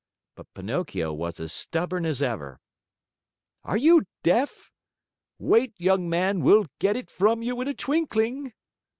But Pinocchio was as stubborn as ever. "Are you deaf? Wait, young man, we'll get it from you in a twinkling!"